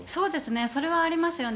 それはありますよね。